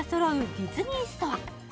ディズニーストア